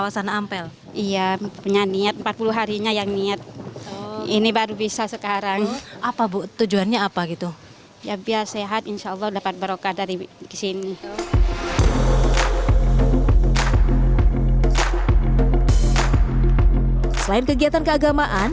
selain kegiatan keagamaan